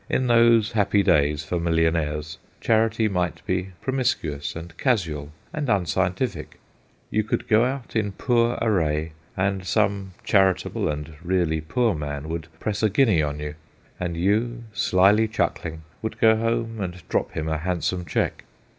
In those happy days for millionaires, charity might be promiscuous and casual, and unscientific ; you could go out in poor array, and some charitable and really poor man would press a guinea on you, and you, slyly chuckling, would go home and drop him a handsome cheque.